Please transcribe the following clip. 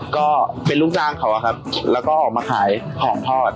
ก็เป็นลูกจ้างเขาอะครับแล้วก็ออกมาขายของทอด